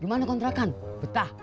gimana kontrakan betah